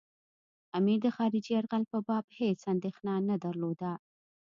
امیر د خارجي یرغل په باب هېڅ اندېښنه نه درلوده.